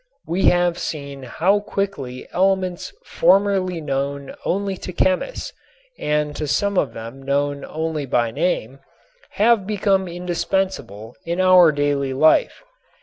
We have seen how quickly elements formerly known only to chemists and to some of them known only by name have become indispensable in our daily life.